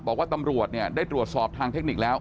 บอกว่าตำรวจเนี่ยได้ตรวจสอบทางเทคนิคแล้ว